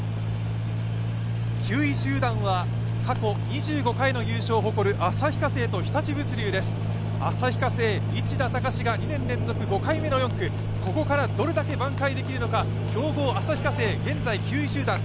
９位集団は過去２５回の優勝を誇る旭化成と日立物流です、旭化成、市田孝が２年連続５回目の４区、ここからどれだけ挽回できるのか強豪・旭化成、現在９位集団。